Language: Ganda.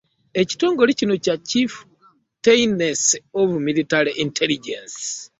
Ekitongole kino kya Chieftaincy of Military Intelligence .